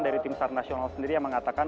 dari tim sar nasional sendiri yang mengatakan